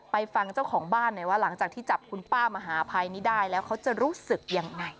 ฟังเจ้าของบ้านหน่อยว่าหลังจากที่จับคุณป้ามหาภัยนี้ได้แล้วเขาจะรู้สึกยังไง